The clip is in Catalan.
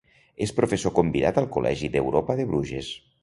És professor convidat al Col·legi d'Europa de Bruges.